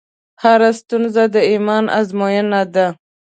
هره ستونزه د ایمان ازموینه ده.